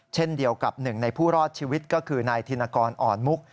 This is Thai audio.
เช่นเดียวกับหนึ่งในผู้รอดชีวิตก็คือนายธินกรอ่อนมุก